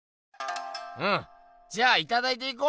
うんじゃあいただいていこう。